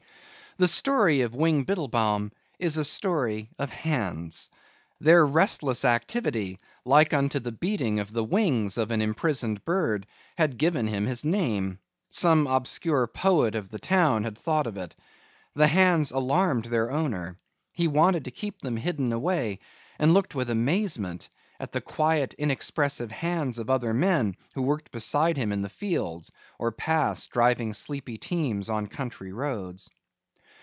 The story of Wing Biddlebaum is a story of hands. Their restless activity, like unto the beating of the wings of an imprisoned bird, had given him his name. Some obscure poet of the town had thought of it. The hands alarmed their owner. He wanted to keep them hidden away and looked with amazement at the quiet inexpressive hands of other men who worked beside him in the fields, or passed, driving sleepy teams on country roads.